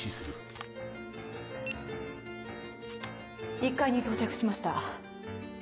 １階に到着しました。